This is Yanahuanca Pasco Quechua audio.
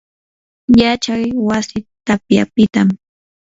yachay wasi tapyapitam.